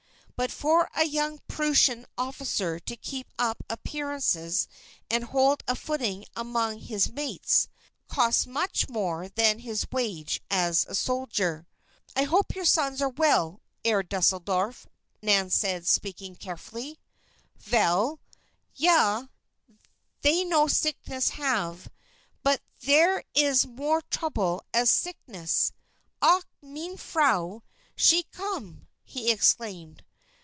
But for a young Prussian officer to keep up appearances and hold a footing among his mates, costs much more than his wage as a soldier. "I hope your sons are well, Herr Deuseldorf," Nan said, speaking carefully. "Vell? Ja they no sickness have. But there iss more trouble as sickness Ach! mein Frau, she come!" he exclaimed.